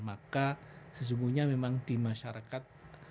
maka sesungguhnya memang di masyarakat